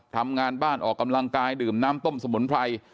ทำงานบ้านออกกำลังกายดื่มน้ำต้มสมุนไพร